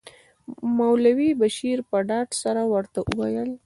مولوي بشیر په ډاډ سره ورته وویل.